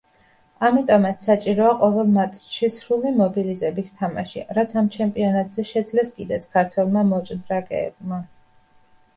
ამიტომაც საჭიროა ყოველ მატჩში სრული მობილიზებით თამაში, რაც ამ ჩემპიონატზე შეძლეს კიდეც ქართველმა მოჭდრაკეებმა.